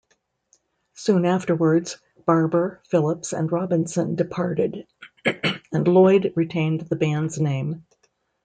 Soon afterwards, Barber, Phillips and Robinson departed and Loyde retained the band's name.